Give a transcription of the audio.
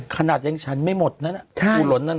ขนาดยังฉันไม่หมดนะ